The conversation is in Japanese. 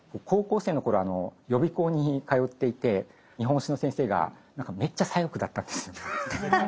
高校生の頃あの予備校に通っていて日本史の先生が何かめっちゃ左翼だったんですよ。